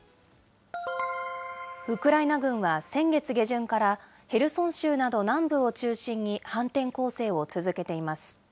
ウクライナ軍は先月下旬から、ヘルソン州など南部を中心に反転攻勢を続けています。